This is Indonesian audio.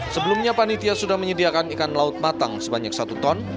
sebelumnya panitia sudah menyediakan ikan laut matang sebanyak satu ton